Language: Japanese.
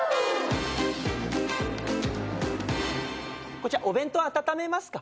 こちらお弁当温めますか？